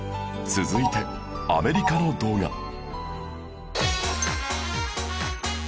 続いてアメリカの動画